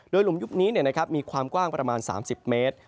หลุมยุบนี้มีความกว้างประมาณ๓๐เมตร